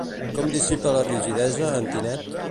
Com dissipa la rigidesa, en Tinet?